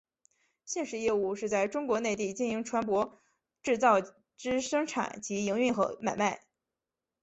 现时业务是在中国内地经营船舶制造之生产及营运和买卖。